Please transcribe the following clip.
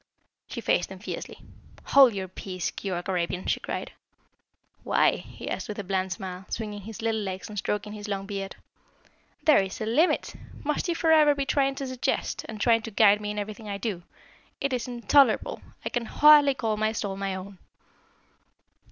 She faced him fiercely. "Hold your peace, Keyork Arabian!" she cried. "Why?" he asked with a bland smile, swinging his little legs and stroking his long beard. "There is a limit! Must you for ever be trying to suggest, and trying to guide me in everything I do? It is intolerable! I can hardly call my soul my own!"